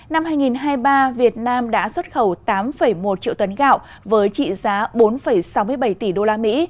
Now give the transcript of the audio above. năm hai nghìn hai mươi ba việt nam đã xuất khẩu tám một triệu tấn gạo với trị giá bốn sáu mươi bảy tỷ usd